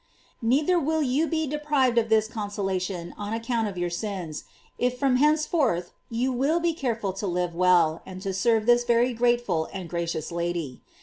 Neither will you be deprived of this consola tion on account of your sins, if from henceforth you will be careful to live well, and to serve this very grateful and gracious Lady.